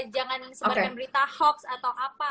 jangan sempat ngeberita hoax atau apa